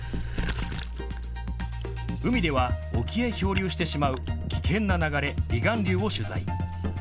海では沖へ漂流してしまう危険な流れ、離岸流を取材。